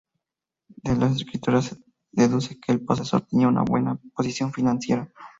De la Escritura se deduce que el poseedor tenía una muy buena posición financiera.